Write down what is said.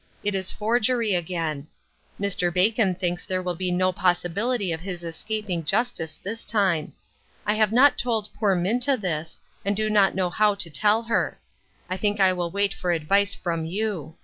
It is forgery again. Mr. Bacon thinks there will be no possi bility of his escaping justice this time. I have not told poor Minta this, and do not know how to tell her. I think I will wait for advice from you.